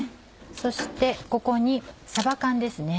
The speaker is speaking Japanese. そしてここにさば缶ですね。